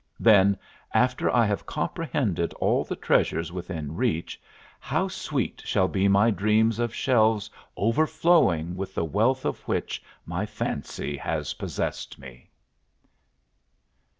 Then, after I have comprehended all the treasures within reach, how sweet shall be my dreams of shelves overflowing with the wealth of which my fancy has possessed me!